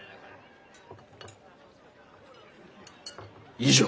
以上。